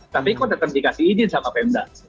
tapi kok tetap dikasih izin sama pemda